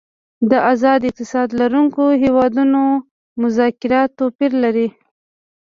د آزاد اقتصاد لرونکو هیوادونو مذاکرات توپیر لري